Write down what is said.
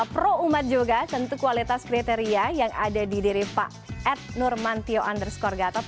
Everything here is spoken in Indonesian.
pro umat juga tentu kualitas kriteria yang ada di diri pak ed nurmantio underscore gatot